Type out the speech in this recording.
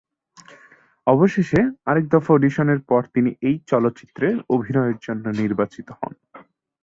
অবশেষে আরেক দফা অডিশনের পর তিনি এই চলচ্চিত্রে অভিনয়ের জন্য নির্বাচিত হন।